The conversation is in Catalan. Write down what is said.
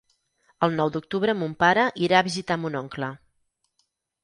El nou d'octubre mon pare irà a visitar mon oncle.